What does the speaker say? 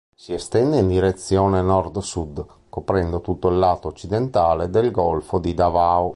Si estende in direzione nord-sud coprendo tutto il lato occidentale del golfo di Davao.